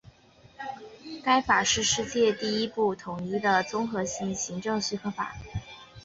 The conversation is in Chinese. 该法是世界上第一部统一的综合性行政许可法。